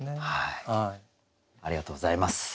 ありがとうございます。